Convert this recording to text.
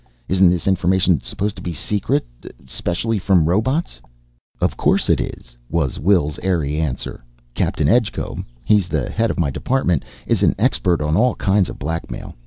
Isn't this information supposed to be secret? Specially from robots!" "Of course it is!" was Wil's airy answer. "Captain Edgecombe he's the head of my department is an expert on all kinds of blackmail.